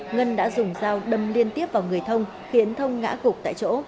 ngân đã dùng dao đâm liên tiếp vào người thông khiến thông ngã gục tại chỗ